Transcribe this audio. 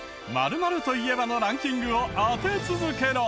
○○と言えばのランキングを当て続けろ。